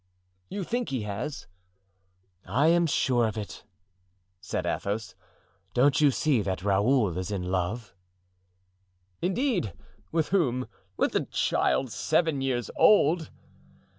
"You think he has?" "I am sure of it," said Athos; "don't you see that Raoul is in love?" "Indeed! with whom—with a child seven years old?"